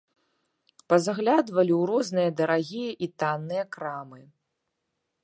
Пазаглядвалі ў розныя дарагія і танныя крамы.